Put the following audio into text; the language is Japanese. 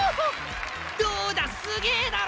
どうだすげえだろ！